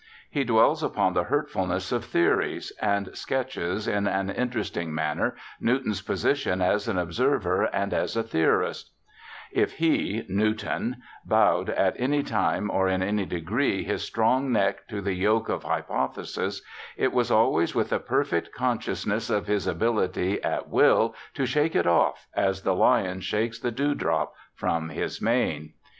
He dwells upon the hurtfulness of theories, and sketches in an interesting manner Newton's position as an observer and as a theorist :' If he (Newton) bowed at any time or in any degree his strong neck to the yoke of hypothesis, it was always with a perfect consciousness of his ability at will to shake it off, as the lion shakes the dew drop from his mane.'